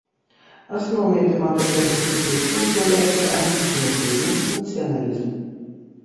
Асноўнай тэматыкай гэтых песень з'яўляецца антысемітызм, нацыяналізм.